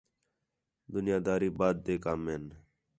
دُنیاں داری بعد تے کَم ہِن